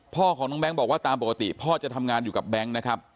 พ่อของน้องแบงค์บอกว่าตามปกติพ่อจะทำงานอยู่กับแบงค์นะครับ